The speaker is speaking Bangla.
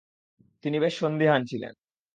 তিনি বেশ সন্দিহান ছিলেন।